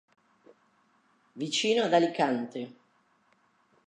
Vicino ad Alicante.